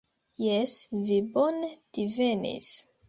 Jes, vi bone divenis!